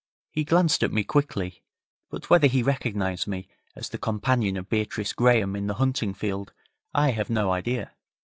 He glanced at me quickly, but whether he recognized me as the companion of Beatrice Graham in the hunting field I have no idea.